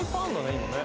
今ね